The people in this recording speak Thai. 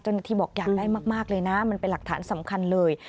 ที่บอกอยากได้มากเลยนะมันเป็นหลักฐานสำคัญเลย